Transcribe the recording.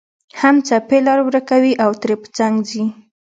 هم څپې لار ورکوي او ترې په څنګ ځي